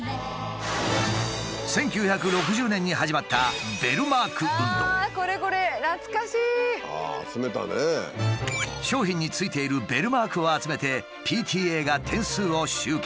１９６０年に始まった商品についているベルマークを集めてＰＴＡが点数を集計。